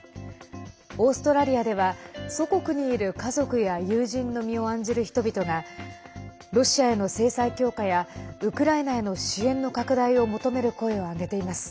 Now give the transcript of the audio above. オーストラリアでは祖国にいる家族や友人の身を案じる人々がロシアへの制裁強化やウクライナへの支援の拡大を求める声を上げています。